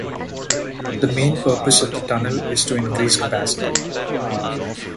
The main purpose of the tunnel is to increase capacity.